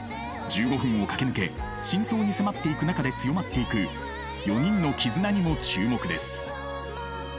１５分を駆け抜け真相に迫っていく中で強まっていく４人の絆にも注目です。